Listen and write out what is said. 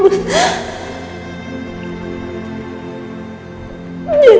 dan saya menyesal